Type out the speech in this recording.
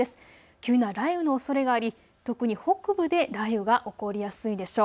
急な雷雨のおそれがあり特に北部で雷雨が起こりやすいでしょう。